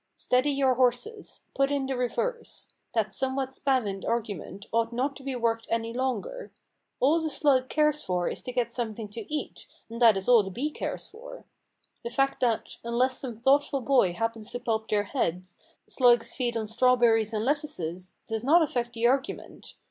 "Steady your horses. Put in the reverse. That somewhat spavined argument ought not to be worked any longer. All the 335 336 STORIES WITHOUT TEARS slug cares for is to get something to eat, and that is all the bee cares for. The fact that, unless some thoughtful boy happens to pulp their heads, slugs feed on strawberries and lettuces, does not affect the argu ment.